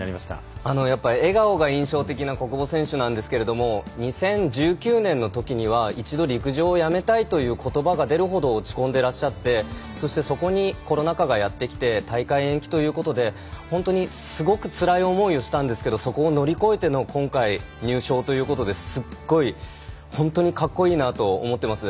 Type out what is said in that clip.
笑顔が印象的な小久保選手なんですけれども２０１９年のときには一度陸上をやめたいということばが出るほど落ち込んでいらっしゃってそしてそこにコロナ禍がやってきて大会延期ということで本当にすごくつらい思いをしたんですけどそこを乗り越えての今回、入賞ということですごい本当に格好いいなと思ってます。